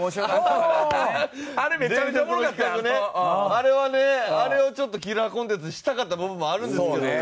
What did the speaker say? あれはねあれをちょっとキラーコンテンツにしたかった部分もあるんですけどね。